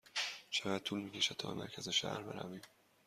چقدر طول می کشد تا به مرکز شهر برویم؟